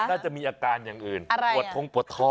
น่าจะมีอาการอย่างอื่น